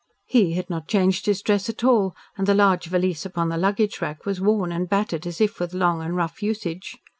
He had not changed his dress at all, and the large valise upon the luggage rack was worn and battered as if with long and rough usage.